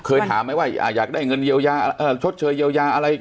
เคยถามไหมว่าอยากได้เงินเยียวยาชดเชยเยียวยาอะไร